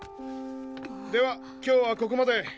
では今日はここまで。